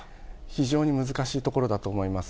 非常に難しいところだと思います。